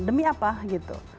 demi apa gitu